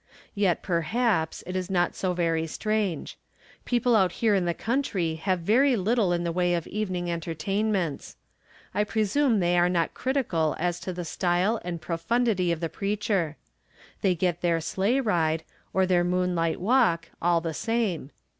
Yet, perhaps, it is not so very strange. People out here in the country have very little in the way of evening entertainments. I presume they are not critical as to the style and profundity of the preacher. They get their sleigh ride, or their moonlight walk, all the same.